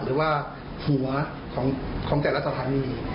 หรือว่าหัวของแต่ละสถานี